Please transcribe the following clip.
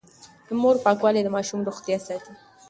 د مور پاکوالی د ماشوم روغتيا ساتي.